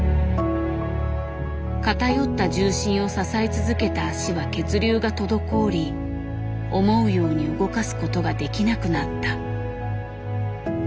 偏った重心を支え続けた足は血流が滞り思うように動かすことができなくなった。